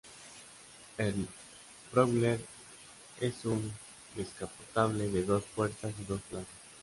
El Prowler es un descapotable de dos puertas y dos plazas.